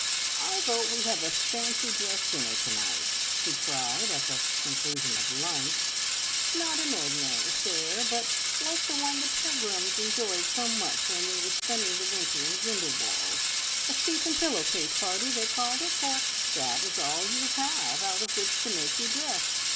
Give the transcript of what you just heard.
"I vote we have a fancy dress dinner to night!" she cried, at the conclusion of lunch. "Not an ordinary affair, but like the one the Pegrams enjoyed so much when they were spending the winter in Grindelwald. `A sheet and pillow case party,' they called it, for that is all you have out of which to make your dress.